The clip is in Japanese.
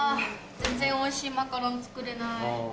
全然おいしいマカロン作れない。